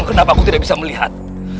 kenapa aku tidak bisa melihat